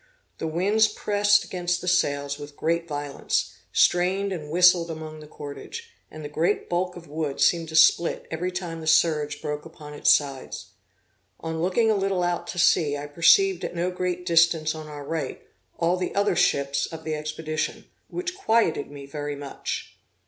The winds pressed against the sails with great violence, strained and whistled among the cordage; and the great bulk of wood seemed to split every time the surge broke upon its sides. On looking a little out to sea I perceived at no great distance on our right, all the other ships of the expedition, which quieted me very much.